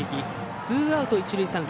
ツーアウト、一塁三塁。